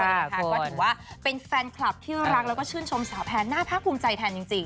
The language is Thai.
ก็ถือว่าเป็นแฟนคลับที่รักแล้วก็ชื่นชมสาวแพนน่าภาคภูมิใจแทนจริง